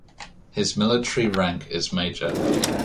His military rank is Major.